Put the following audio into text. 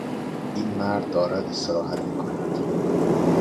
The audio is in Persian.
این مرد دارد استراحت میکند.